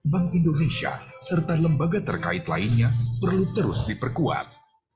bank indonesia serta lembaga terkait lainnya perlu terus diperkuat